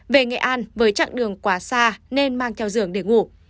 về nghệ an với chặng đường quá xa nên mang theo giường xếp